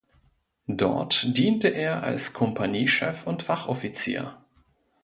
Dort diente er als Kompaniechef und Wachoffizier.